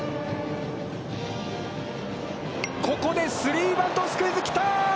ここでスリーバントスクイズ来たー！